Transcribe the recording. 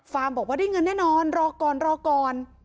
ฟาร์มบอกว่าได้เงินแน่นอนรอก่อน